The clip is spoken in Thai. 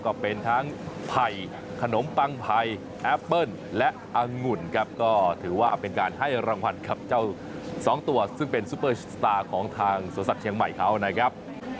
ก็เป็นทั้งไผ่ขนมปังไผ่แอปเปิ้ลและอังุ่นครับก็ถือว่าเป็นการให้รางวัลกับเจ้าสองตัวซึ่งเป็นซูเปอร์สตาร์ของทางสวนสัตว์เชียงใหม่เขานะครับ